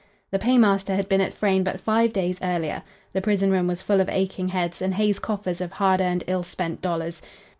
The paymaster had been at Frayne but five days earlier. The prison room was full of aching heads, and Hay's coffers' of hard earned, ill spent dollars.